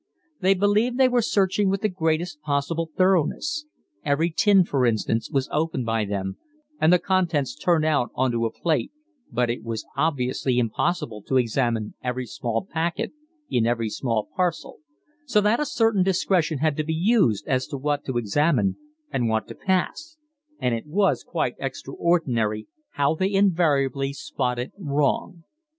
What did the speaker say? They believed they were searching with the greatest possible thoroughness: every tin, for instance, was opened by them and the contents turned out on to a plate, but it was obviously impossible to examine every small packet in every small parcel, so that a certain discretion had to be used as to what to examine and what to pass, and it was quite extraordinary how they invariably spotted wrong.